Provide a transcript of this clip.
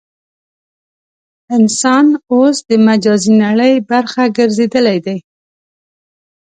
انسان اوس د مجازي نړۍ برخه ګرځېدلی دی.